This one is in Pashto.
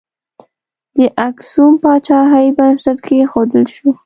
د اکسوم پاچاهۍ بنسټ کښودل شو.